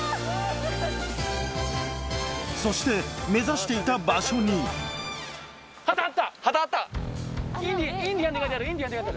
そして目指していた場所に旗あった。